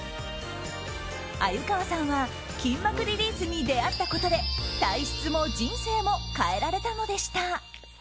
鮎河さんは筋膜リリースに出会ったことで体質も人生も変えられたのでした。